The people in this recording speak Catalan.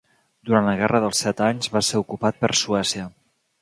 Durant la Guerra dels Set Anys va ser ocupat per Suècia.